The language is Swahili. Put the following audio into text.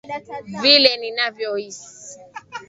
Vile ninavyohisi